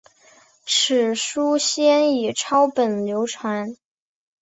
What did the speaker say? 此书先以抄本流传。